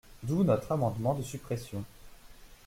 D’où notre amendement de suppression.